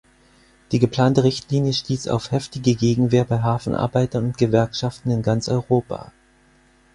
Die geplante Richtlinie stieß auf heftige Gegenwehr bei Hafenarbeitern und Gewerkschaften in ganz Europa.